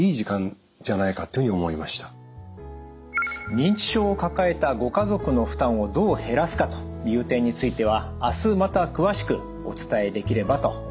認知症を抱えたご家族の負担をどう減らすかという点については明日また詳しくお伝えできればと思います。